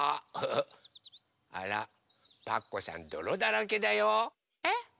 あらパクこさんどろだらけだよ。えっ？